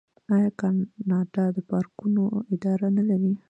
آیا کاناډا د پارکونو اداره نلري؟